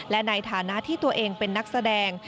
และในฐานะที่ตัวเองเป็นนักแสดง